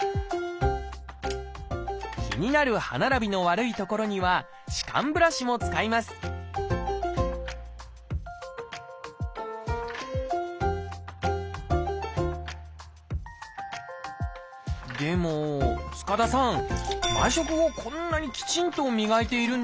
気になる歯並びの悪い所には歯間ブラシも使いますでも塚田さんまさか！